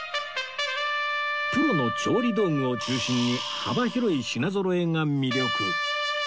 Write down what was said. プロの調理道具を中心に幅広い品ぞろえが魅力